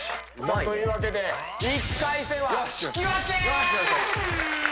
というわけで１回戦は引き分け！